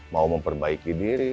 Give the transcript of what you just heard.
mau memperbaiki diri